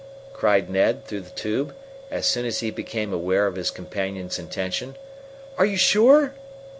cried Ned, through the tube, as soon as he became aware of his companion's intention. "Are you sure?"